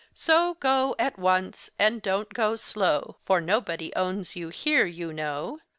So go at once, and don't go slow, for nobody owns you here, you know!